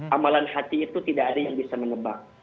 amalan hati itu tidak ada yang bisa menebak